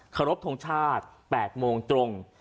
ครบทรงชาติ๘โมงตรง